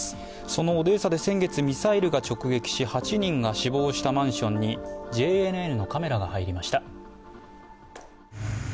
そのオデーサで先月、ミサイルが直撃し８人が死亡したマンションにＪＮＮのカメラが入りました。